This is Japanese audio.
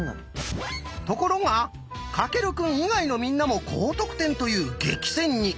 ところが翔くん以外のみんなも高得点という激戦に。